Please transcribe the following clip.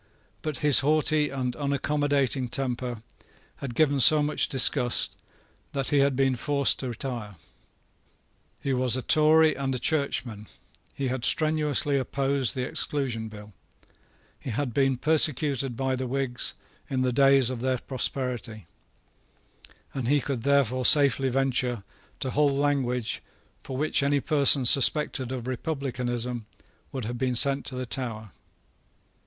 But his haughty and unaccommodating temper had given so much disgust that he had been forced to retire. He was a Tory and a Churchman: he had strenuously opposed the Exclusion Bill: he had been persecuted by the Whigs in the day of their prosperity; and he could therefore safely venture to hold language for which any person suspected of republicanism would have been sent to the Tower.